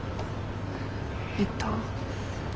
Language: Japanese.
えっと。